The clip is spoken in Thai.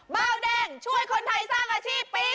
เบาแดงช่วยคนไทยสร้างอาชีพปี๒